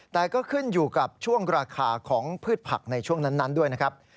แต่ก็ขึ้นอยู่กับช่วงราคาของพืชผักในช่วงนั้นด้วยนะครับ